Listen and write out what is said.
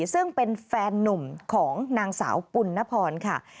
ซึ่งเป็นแฟนนุ่มของนางสาวปุณนพรค่ะ